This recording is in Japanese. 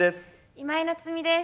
今井菜津美です。